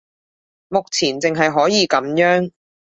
目前淨係可以噉樣